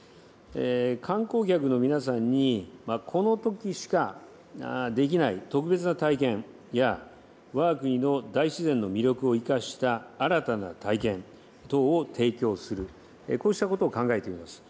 観光客の皆さんに、このときしかできない特別な体験や、わが国の大自然の魅力を生かした新たな体験等を提供する、こうしたことを考えています。